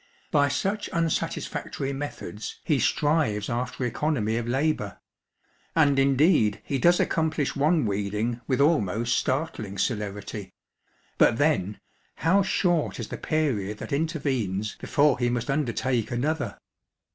By such unsatisfactory methods he strives after economy of labour; and indeed he does accomplish one weeding with almost startling celerity ŌĆö but then, how short is the period that intervenes before he must undertake another